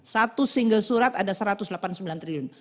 satu single surat ada satu ratus delapan puluh sembilan triliun